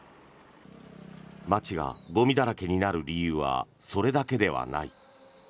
街がゴミだらけになる理由はそれだけではない。